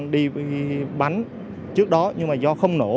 đang đi bắn trước đó nhưng mà do không nổ